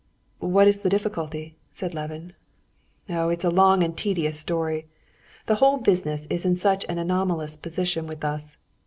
"What is the difficulty?" said Levin. "Oh, it's a long and tedious story! The whole business is in such an anomalous position with us.